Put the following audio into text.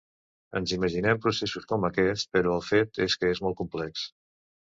Ens imaginem processos com aquests, però el fet és que és molt complex.